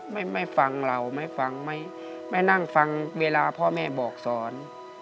ไม่ไม่ฟังเราไม่ฟังไม่นั่งฟังเวลาพ่อแม่บอกสอน